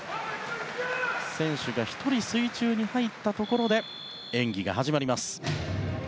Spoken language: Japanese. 選手が１人水中に入ったところで演技が始まります。